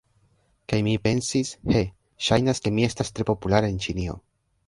Kaj mi pensis, he, ŝajnas ke mi estas tre populara en Ĉinio.